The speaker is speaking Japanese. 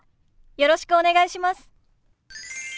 よろしくお願いします。